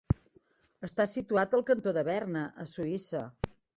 Està situat al cantó de Berna, a Suïssa.